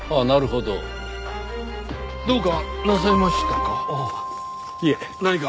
どうかなさいましたか？